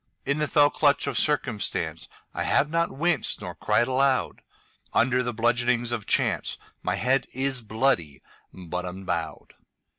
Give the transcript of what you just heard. In the fell clutch of circumstanceI have not winced nor cried aloud. Under the bludgeonings of chanceMy head is bloody, but unbowed.